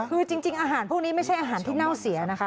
คือจริงอาหารพวกนี้ไม่ใช่อาหารที่เน่าเสียนะคะ